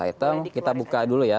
empat belas item kita buka dulu ya